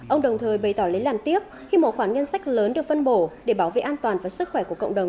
ông đồng thời bày tỏ lấy làm tiếc khi một khoản ngân sách lớn được phân bổ để bảo vệ an toàn và sức khỏe của cộng đồng